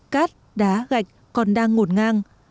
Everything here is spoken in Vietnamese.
cát đá gạch còn đang ngột ngang